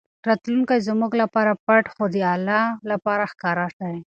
راتلونکی زموږ لپاره پټ خو د الله لپاره ښکاره دی.